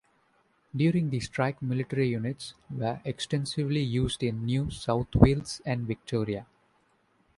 During the strike military units were extensively used in New South Wales and Victoria.